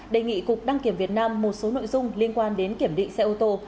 đề nghị cục đăng kiểm việt nam một số nội dung liên quan đến kiểm định xe ô tô